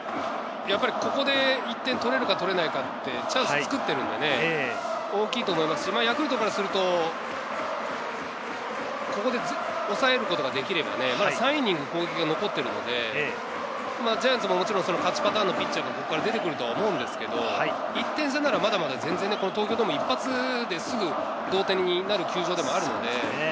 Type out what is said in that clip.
ここで１点取れるか、取れないかってチャンスを作っているんで、大きいと思いますし、ヤクルトからすると、ここで抑えることができれば、３イニング攻撃が残っているので、ジャイアンツももちろん勝ちパターンのピッチャーがここから出てくると思うんですけど、１点差なら、まだまだ東京ドーム、一発ですぐ同点になる球場でもあるので。